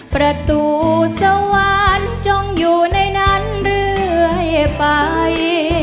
ประตูสวรรค์จงอยู่ในนั้นเรื่อยไป